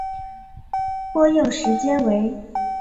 播映时间为。